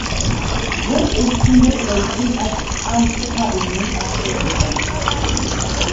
Vit Ice Piedmont in Antarctica is named after the river.